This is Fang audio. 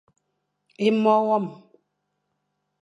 É mo wam.